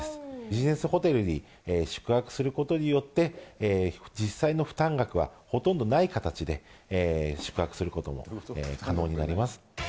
ビジネスホテルに宿泊することによって、実際の負担額はほとんどない形で宿泊することが可能になります。